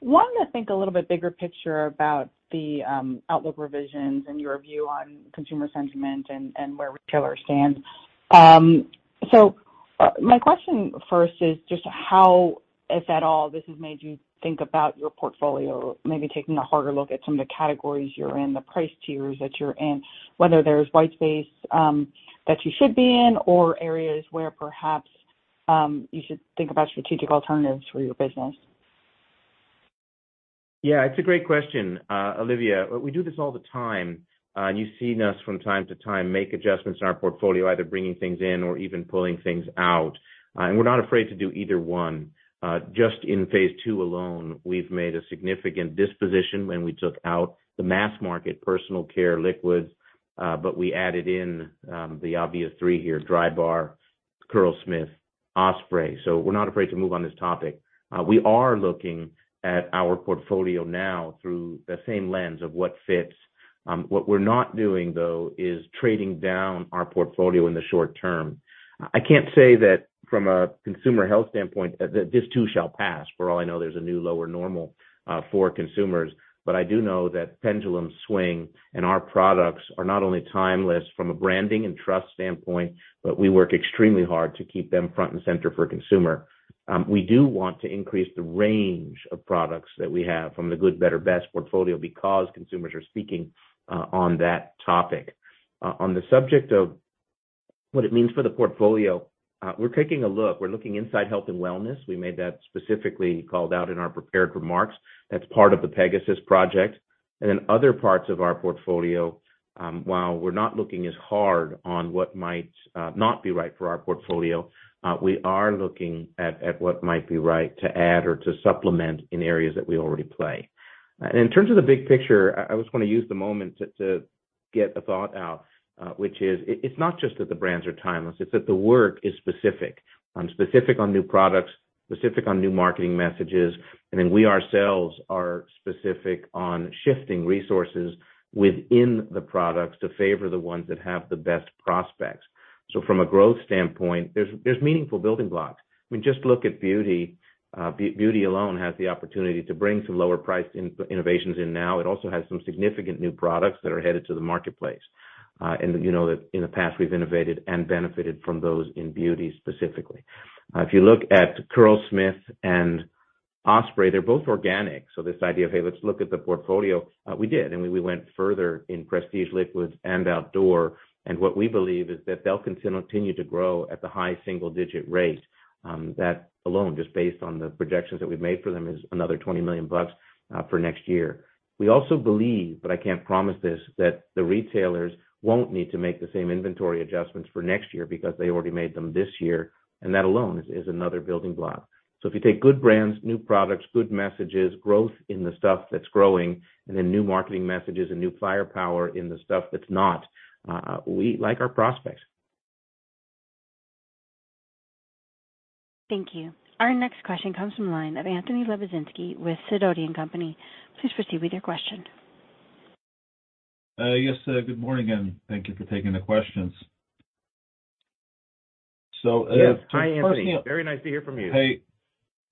Wanted to think a little bit bigger picture about the outlook revisions and your view on consumer sentiment and where retailers stand. My question first is just how, if at all, this has made you think about your portfolio, maybe taking a harder look at some of the categories you're in, the price tiers that you're in, whether there's white space that you should be in or areas where perhaps you should think about strategic alternatives for your business. Yeah, it's a great question, Olivia. We do this all the time. You've seen us from time to time make adjustments in our portfolio, either bringing things in or even pulling things out. We're not afraid to do either one. Just in phase II alone, we've made a significant disposition when we took out the mass market personal care liquids, but we added in the obvious 3 here, Drybar, Curlsmith, Osprey. We're not afraid to move on this topic. We are looking at our portfolio now through the same lens of what fits. What we're not doing, though, is trading down our portfolio in the short term. I can't say that from a consumer health standpoint, that this too shall pass. For all I know, there's a new lower normal for consumers. I do know that pendulums swing and our products are not only timeless from a branding and trust standpoint, but we work extremely hard to keep them front and center for consumer. We do want to increase the range of products that we have from the good, better, best portfolio because consumers are speaking on that topic. On the subject of what it means for the portfolio, we're taking a look. We're looking inside health and wellness. We made that specifically called out in our prepared remarks. That's part of the Project Pegasus. In other parts of our portfolio, while we're not looking as hard on what might not be right for our portfolio, we are looking at what might be right to add or to supplement in areas that we already play. In terms of the big picture, I just wanna use the moment to get a thought out, which is, it's not just that the brands are timeless, it's that the work is specific. Specific on new products, specific on new marketing messages, and then we ourselves are specific on shifting resources within the products to favor the ones that have the best prospects. From a growth standpoint, there's meaningful building blocks. I mean, just look at beauty. Beauty alone has the opportunity to bring some lower priced innovations in now. It also has some significant new products that are headed to the marketplace. You know that in the past, we've innovated and benefited from those in beauty specifically. If you look at Curlsmith and Osprey, they're both organic. This idea of, hey, let's look at the portfolio, we did, and we went further in prestige, liquids, and outdoor. What we believe is that they'll continue to grow at the high single-digit rate, that alone, just based on the projections that we've made for them, is another $20 million for next year. We also believe, but I can't promise this, that the retailers won't need to make the same inventory adjustments for next year because they already made them this year, and that alone is another building block. If you take good brands, new products, good messages, growth in the stuff that's growing, and then new marketing messages and new firepower in the stuff that's not, we like our prospects. Thank you. Our next question comes from the line of Anthony Lebiedzinski with Sidoti & Company. Please proceed with your question. Yes, good morning, and thank you for taking the questions. Yes. Hi, Anthony. Very nice to hear from you. Hey.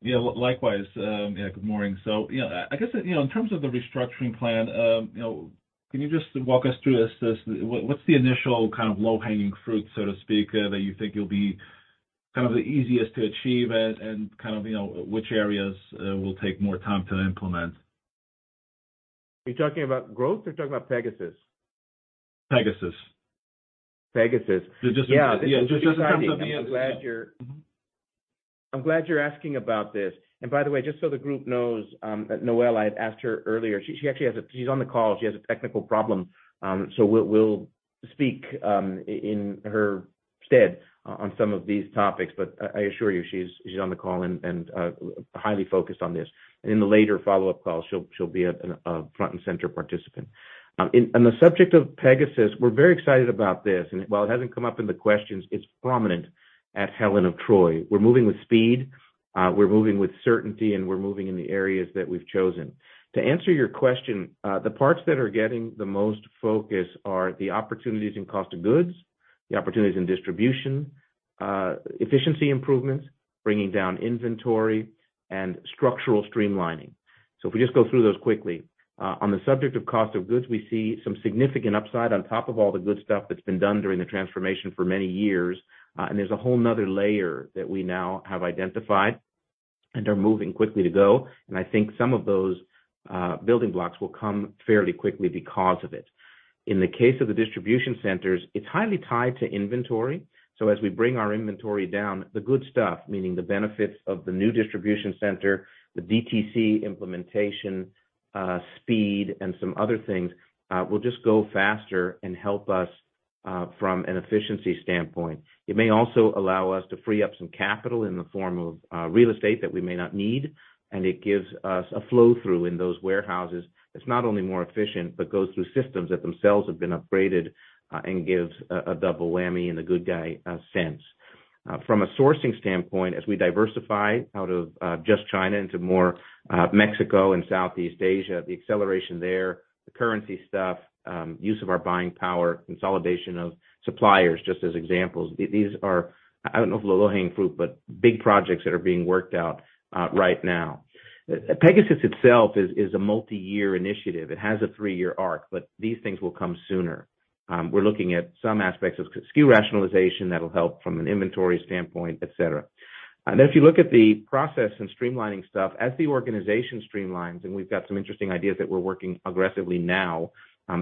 Yeah, likewise, yeah, good morning. You know, I guess, you know, in terms of the restructuring plan, you know, can you just walk us through this? What's the initial kind of low-hanging fruit, so to speak, that you think you'll be kind of the easiest to achieve and kind of, you know, which areas will take more time to implement? Are you talking about growth or talking about Pegasus? Pegasus. Pegasus. Yeah. Just in terms of the I'm glad you're asking about this. By the way, just so the group knows, Noel, I had asked her earlier, she actually has a technical problem. She's on the call. So we'll speak in her stead on some of these topics, but I assure you, she's on the call and highly focused on this. In the later follow-up call, she'll be a front and center participant. On the subject of Pegasus, we're very excited about this. While it hasn't come up in the questions, it's prominent at Helen of Troy. We're moving with speed, we're moving with certainty, and we're moving in the areas that we've chosen. To answer your question, the parts that are getting the most focus are the opportunities in cost of goods, the opportunities in distribution, efficiency improvements, bringing down inventory and structural streamlining. If we just go through those quickly. On the subject of cost of goods, we see some significant upside on top of all the good stuff that's been done during the transformation for many years. There's a whole 'nother layer that we now have identified and are moving quickly to go. I think some of those building blocks will come fairly quickly because of it. In the case of the distribution centers, it's highly tied to inventory. As we bring our inventory down, the good stuff, meaning the benefits of the new distribution center, the DTC implementation, speed and some other things, will just go faster and help us from an efficiency standpoint. It may also allow us to free up some capital in the form of real estate that we may not need, and it gives us a flow through in those warehouses that's not only more efficient, but goes through systems that themselves have been upgraded, and gives a double whammy in a good guy sense. From a sourcing standpoint, as we diversify out of just China into more Mexico and Southeast Asia, the acceleration there, the currency stuff, use of our buying power, consolidation of suppliers, just as examples. These are, I don't know if the low hanging fruit, but big projects that are being worked out, right now. Pegasus itself is a multi-year initiative. It has a 3 year arc, but these things will come sooner. We're looking at some aspects of SKU rationalization that'll help from an inventory standpoint, et cetera. If you look at the process and streamlining stuff, as the organization streamlines, and we've got some interesting ideas that we're working aggressively now,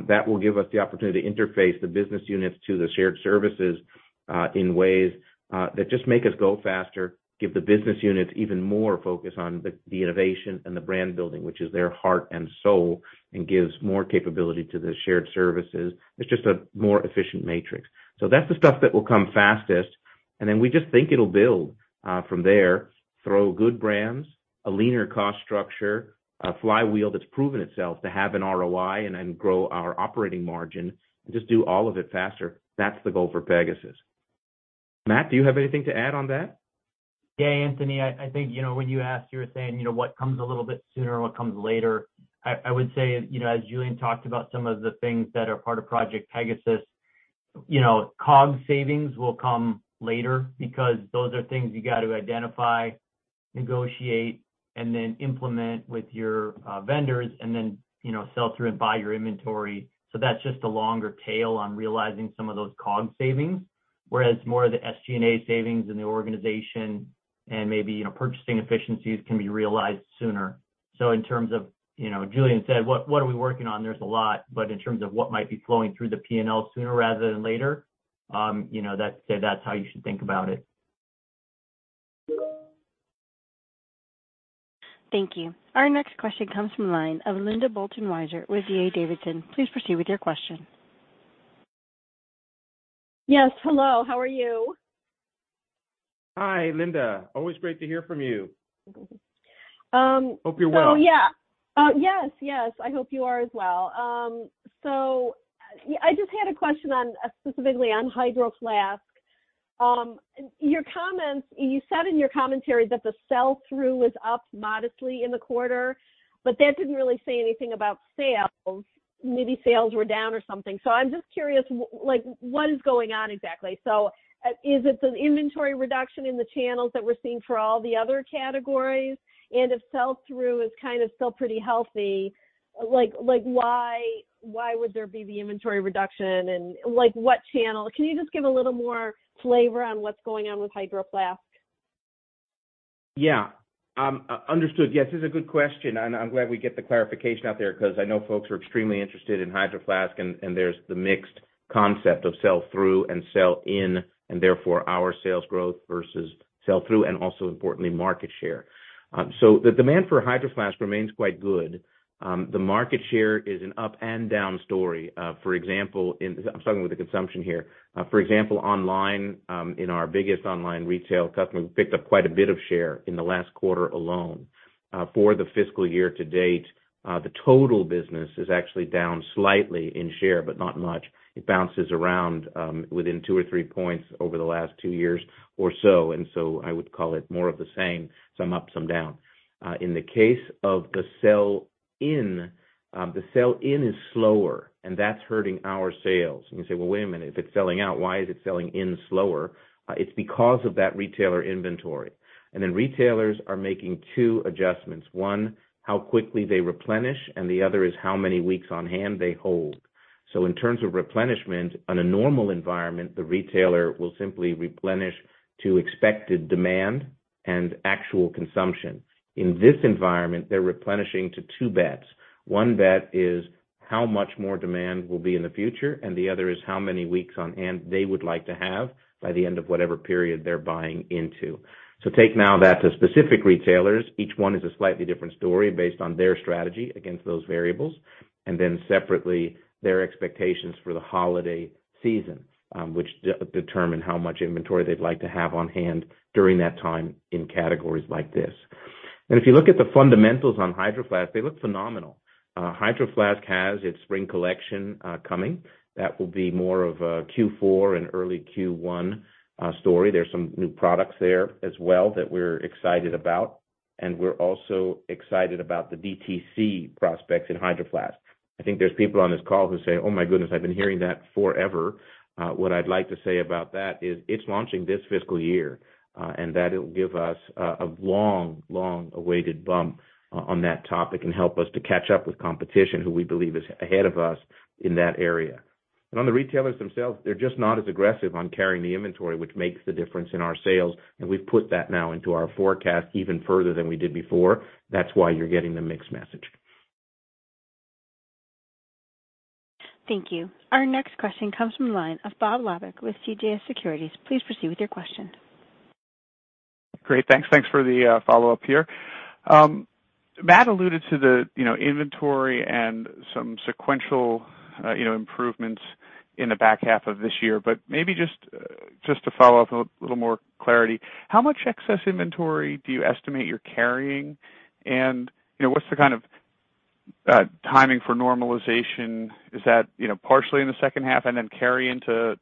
that will give us the opportunity to interface the business units to the shared services, in ways that just make us go faster, give the business units even more focus on the innovation and the brand building, which is their heart and soul, and gives more capability to the shared services. It's just a more efficient matrix. That's the stuff that will come fastest. Then we just think it'll build from there through good brands, a leaner cost structure, a flywheel that's proven itself to have an ROI and then grow our operating margin and just do all of it faster. That's the goal for Pegasus. Matt, do you have anything to add on that? Yeah, Anthony, I think, you know, when you asked, you were saying, you know, what comes a little bit sooner, what comes later. I would say, you know, as Julien talked about some of the things that are part of Project Pegasus, you know, COGS savings will come later because those are things you got to identify, negotiate, and then implement with your vendors and then, you know, sell through and buy your inventory. That's just a longer tail on realizing some of those COGS savings, whereas more of the SG&A savings in the organization and maybe, you know, purchasing efficiencies can be realized sooner. In terms of, you know, Julien said, what are we working on? There's a lot. In terms of what might be flowing through the P&L sooner rather than later, you know, that's how you should think about it. Thank you. Our next question comes from line of Linda Bolton-Weiser with D.A. Davidson. Please proceed with your question. Yes, hello. How are you? Hi, Linda. Always great to hear from you. Um. Hope you're well. Yeah. Yes. Yes. I hope you are as well. I just had a question on, specifically on Hydro Flask. Your comments. You said in your commentary that the sell-through was up modestly in the quarter, but that didn't really say anything about sales. Maybe sales were down or something. I'm just curious, what is going on exactly? Is it the inventory reduction in the channels that we're seeing for all the other categories? If sell-through is kind of still pretty healthy, like, why would there be the inventory reduction and like what channel? Can you just give a little more flavor on what's going on with Hydro Flask? Yeah, understood. Yes, this is a good question, and I'm glad we get the clarification out there because I know folks are extremely interested in Hydro Flask and there's the mixed concept of sell-through and sell in, and therefore our sales growth versus sell-through, and also importantly, market share. The demand for Hydro Flask remains quite good. The market share is an up and down story. For example, I'm starting with the consumption here. For example, online, in our biggest online retail customer, we picked up quite a bit of share in the last quarter alone. For the fiscal year to date, the total business is actually down slightly in share, but not much. It bounces around, within 2 or 3 points over the last 2 years or so. I would call it more of the same, some up, some down. In the case of the sell in, the sell in is slower, and that's hurting our sales. You say, "Well, wait a minute. If it's selling out, why is it selling in slower?" It's because of that retailer inventory. Then retailers are making 2 adjustments. 1, how quickly they replenish, and the other is how many weeks on hand they hold. In terms of replenishment, on a normal environment, the retailer will simply replenish to expected demand and actual consumption. In this environment, they're replenishing to 2 bets. 1 bet is how much more demand will be in the future, and the other is how many weeks on hand they would like to have by the end of whatever period they're buying into. Take now that to specific retailers. Each one is a slightly different story based on their strategy against those variables, and then separately, their expectations for the holiday season, which determine how much inventory they'd like to have on-hand during that time in categories like this. If you look at the fundamentals on Hydro Flask, they look phenomenal. Hydro Flask has its spring collection coming. That will be more of a Q4 and early Q1 story. There's some new products there as well that we're excited about, and we're also excited about the DTC prospects in Hydro Flask. I think there's people on this call who say, "Oh, my goodness, I've been hearing that forever." What I'd like to say about that is it's launching this fiscal year, and that it will give us a long, long awaited bump on that topic and help us to catch up with competition who we believe is ahead of us in that area. But on the retailers themselves, they're just not as aggressive on carrying the inventory, which makes the difference in our sales, and we've put that now into our forecast even further than we did before. That's why you're getting the mixed message. Thank you. Our next question comes from the line of Bob Labick with CJS Securities. Please proceed with your question. Great, thanks. Thanks for the follow-up here. Matt alluded to the, you know, inventory and some sequential, you know, improvements in the back half of this year, but maybe just to follow up a little more clarity, how much excess inventory do you estimate you're carrying? You know, what's the kind of timing for normalization? Is that, you know, partially in the second half and then carry into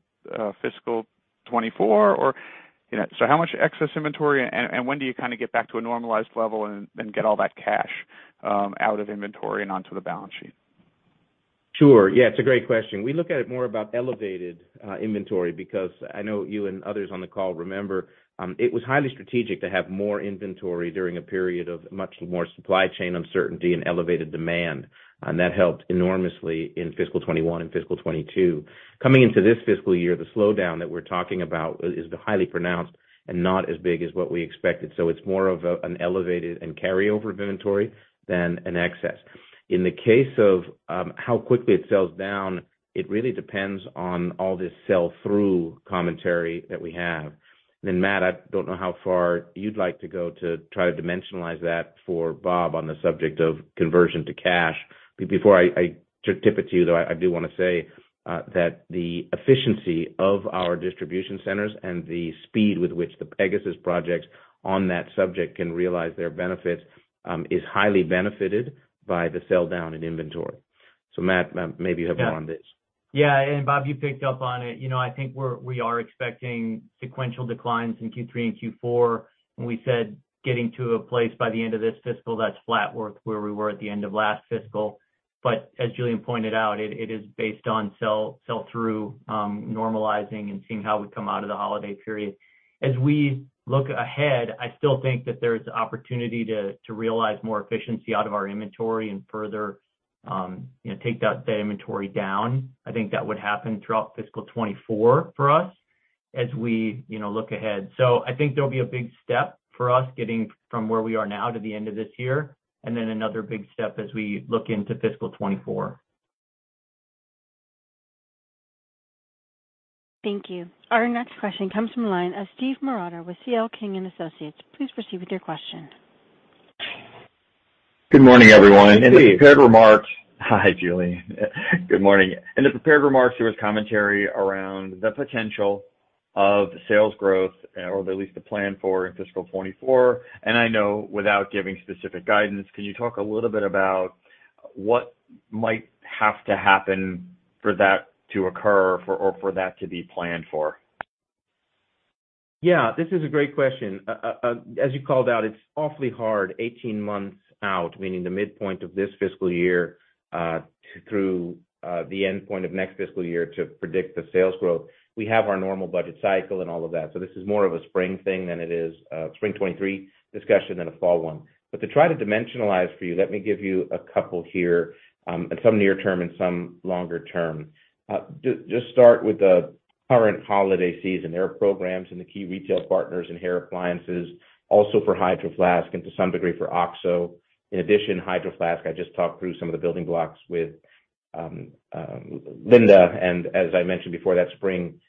fiscal 2024? Or, you know. How much excess inventory and when do you kinda get back to a normalized level and get all that cash out of inventory and onto the balance sheet? Sure. Yeah, it's a great question. We look at it more about elevated inventory because I know you and others on the call remember it was highly strategic to have more inventory during a period of much more supply chain uncertainty and elevated demand. That helped enormously in fiscal 2021 and fiscal 2022. Coming into this fiscal year, the slowdown that we're talking about is highly pronounced and not as big as what we expected. It's more of an elevated and carryover of inventory than an excess. In the case of how quickly it sells down, it really depends on all this sell-through commentary that we have. Then Matt, I don't know how far you'd like to go to try to dimensionalize that for Bob on the subject of conversion to cash. Before I hand it to you, though, I do want to say that the efficiency of our distribution centers and the speed with which the Project Pegasus projects on that subject can realize their benefits is highly benefited by the sell down in inventory. Matt, maybe help more on this. Yeah. Bob, you picked up on it. You know, I think we are expecting sequential declines in Q3 and Q4 when we said getting to a place by the end of this fiscal that's flat with where we were at the end of last fiscal. Julien pointed out, it is based on sell-through normalizing and seeing how we come out of the holiday period. As we look ahead, I still think that there's opportunity to realize more efficiency out of our inventory and further, you know, take the inventory down. I think that would happen throughout fiscal 2024 for us as we, you know, look ahead. I think there'll be a big step for us getting from where we are now to the end of this year, and then another big step as we look into fiscal 2024. Thank you. Our next question comes from the line of Steve Marotta with C.L. King & Associates. Please proceed with your question. Good morning, everyone. Steve. In the prepared remarks. Hi, Julien Mininberg. Good morning. In the prepared remarks, there was commentary around the potential of sales growth or at least the plan for in fiscal 2024. I know without giving specific guidance, can you talk a little bit about what might have to happen for that to occur or for that to be planned for? Yeah, this is a great question. As you called out, it's awfully hard 18 months out, meaning the midpoint of this fiscal year, through the end point of next fiscal year to predict the sales growth. We have our normal budget cycle and all of that, so this is more of a spring thing than it is, spring 2023 discussion than a fall one. To try to dimensionalize for you, let me give you a couple here, some near term and some longer term. Just start with the current holiday season, hair programs, and the key retail partners in hair appliances, also for Hydro Flask and to some degree, for OXO. In addition, Hydro Flask, I just talked through some of the building blocks with Linda, and as I mentioned before, that spring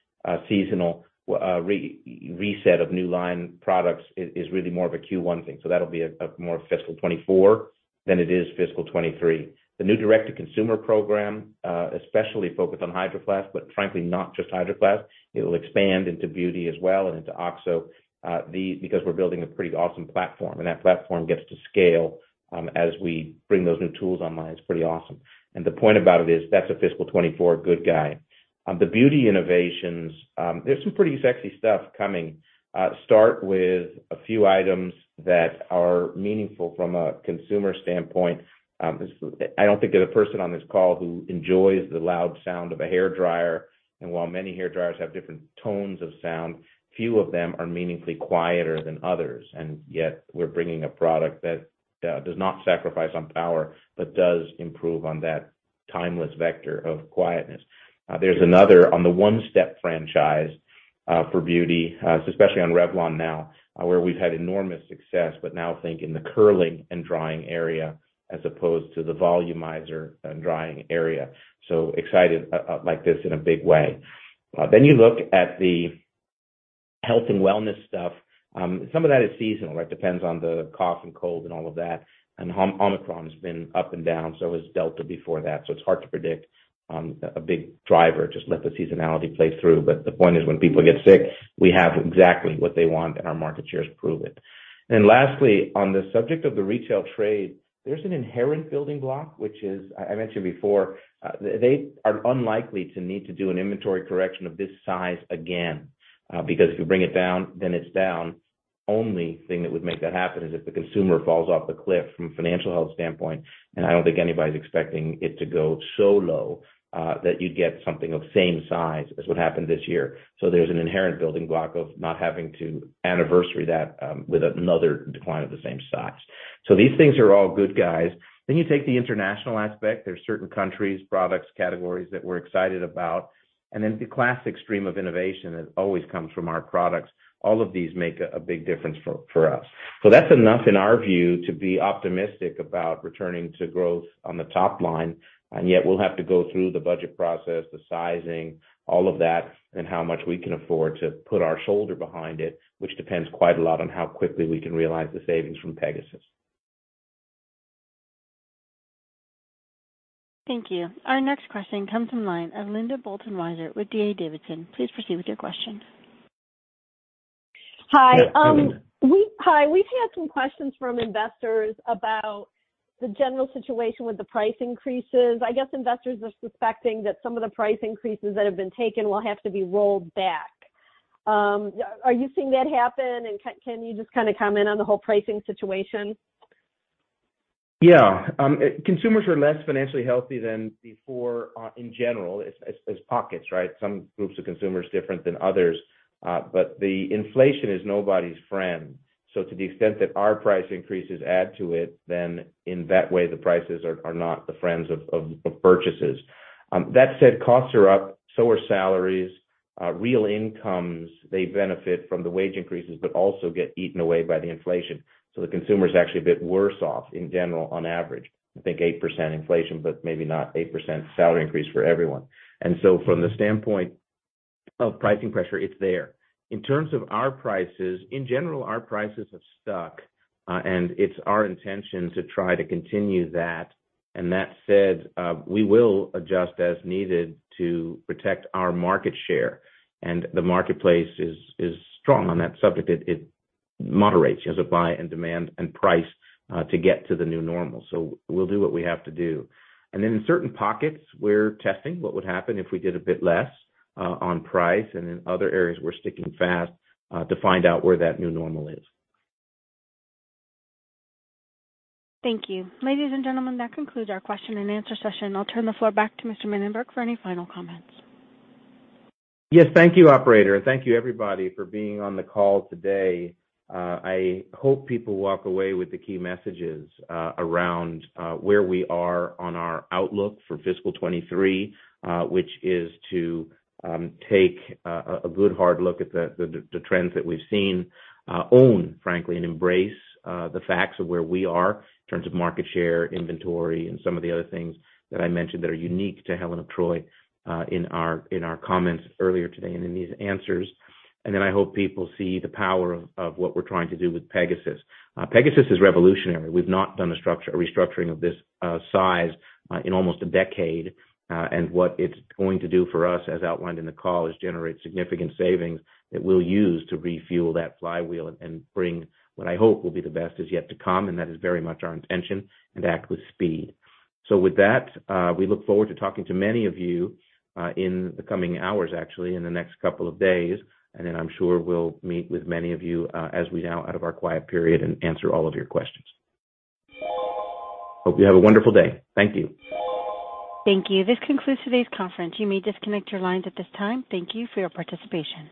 seasonal reset of new line products is really more of a Q1 thing. That'll be a more fiscal 2024 than it is fiscal 2023. The new direct-to-consumer program, especially focused on Hydro Flask, but frankly not just Hydro Flask. It'll expand into beauty as well and into OXO, because we're building a pretty awesome platform, and that platform gets to scale, as we bring those new tools online. It's pretty awesome. The point about it is that's a fiscal 2024 goody. The beauty innovations, there's some pretty sexy stuff coming. Start with a few items that are meaningful from a consumer standpoint. I don't think there's a person on this call who enjoys the loud sound of a hairdryer, and while many hairdryers have different tones of sound, few of them are meaningfully quieter than others. Yet we're bringing a product that does not sacrifice on power, but does improve on that timeless vector of quietness. There's another on the 1 step franchise for beauty, especially on Revlon now, where we've had enormous success, but now think in the curling and drying area as opposed to the volumizer and drying area. Excited about this in a big way. You look at the health and wellness stuff. Some of that is seasonal, right? Depends on the cough and cold and all of that. Omicron has been up and down, so has Delta before that. It's hard to predict a big driver. Just let the seasonality play through. The point is, when people get sick, we have exactly what they want, and our market shares prove it. Then lastly, on the subject of the retail trade, there's an inherent building block, which is I mentioned before, they are unlikely to need to do an inventory correction of this size again, because if you bring it down, then it's down. Only thing that would make that happen is if the consumer falls off the cliff from a financial health standpoint, and I don't think anybody's expecting it to go so low, that you'd get something of same size as what happened this year. There's an inherent building block of not having to anniversary that, with another decline of the same size. These things are all good guys. You take the international aspect. There's certain countries, products, categories that we're excited about. The classic stream of innovation that always comes from our products. All of these make a big difference for us. That's enough, in our view, to be optimistic about returning to growth on the top line. Yet we'll have to go through the budget process, the sizing, all of that, and how much we can afford to put our shoulder behind it, which depends quite a lot on how quickly we can realize the savings from Pegasus. Thank you. Our next question comes from the line of Linda Bolton Weiser with D.A. Davidson. Please proceed with your question. Yeah, Linda. Hi. We've had some questions from investors about the general situation with the price increases. I guess investors are suspecting that some of the price increases that have been taken will have to be rolled back. Are you seeing that happen? Can you just kinda comment on the whole pricing situation? Yeah. Consumers are less financially healthy than before in general, across pockets, right? Some groups of consumers different than others. The inflation is nobody's friend. To the extent that our price increases add to it, then in that way the prices are not the friends of purchases. That said, costs are up, so are salaries. Real incomes, they benefit from the wage increases, but also get eaten away by the inflation. The consumer is actually a bit worse off in general on average. I think 8% inflation, but maybe not 8% salary increase for everyone. From the standpoint of pricing pressure, it's there. In terms of our prices, in general, our prices have stuck, and it's our intention to try to continue that. That said, we will adjust as needed to protect our market share. The marketplace is strong on that subject. It moderates as supply and demand and price to get to the new normal. We'll do what we have to do. Then in certain pockets, we're testing what would happen if we did a bit less on price. In other areas we're sticking fast to find out where that new normal is. Thank you. Ladies and gentlemen, that concludes our question and answer session. I'll turn the floor back to Mr. Mininberg for any final comments. Yes, thank you, operator, and thank you everybody for being on the call today. I hope people walk away with the key messages around where we are on our outlook for fiscal 2023, which is to take a good hard look at the trends that we've seen and frankly and embrace the facts of where we are in terms of market share, inventory, and some of the other things that I mentioned that are unique to Helen of Troy in our comments earlier today and in these answers. I hope people see the power of what we're trying to do with Pegasus. Pegasus is revolutionary. We've not done a restructuring of this size in almost a decade. What it's going to do for us, as outlined in the call, is generate significant savings that we'll use to refuel that flywheel and bring what I hope will be the best is yet to come. That is very much our intention and act with speed. With that, we look forward to talking to many of you in the coming hours, actually in the next couple of days. Then I'm sure we'll meet with many of you, as we now out of our quiet period and answer all of your questions. Hope you have a wonderful day. Thank you. Thank you. This concludes today's conference. You may disconnect your lines at this time. Thank you for your participation.